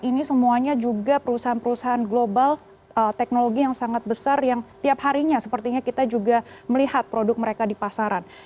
ini semuanya juga perusahaan perusahaan global teknologi yang sangat besar yang tiap harinya sepertinya kita juga melihat produk mereka di pasaran